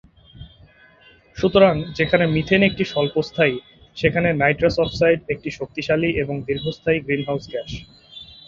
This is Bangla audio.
সুতরাং যেখানে মিথেন একটি স্বল্পস্থায়ী, সেখানে নাইট্রাস অক্সাইড একটি শক্তিশালী এবং দীর্ঘস্থায়ী গ্রিনহাউস গ্যাস।